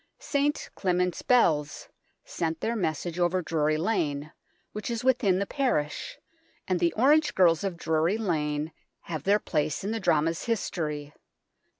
St Clement's bells sent their message over Drury Lane, which is within the parish, and the orange girls of Drury Lane have their place in the drama's history.